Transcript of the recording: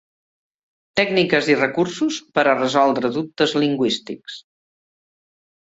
Tècniques i recursos per a resoldre dubtes lingüístics.